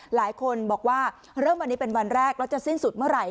หลายคนบอกว่าเริ่มวันนี้เป็นวันแรกแล้วจะสิ้นสุดเมื่อไหร